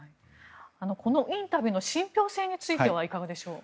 このインタビューの信ぴょう性についてはいかがでしょう。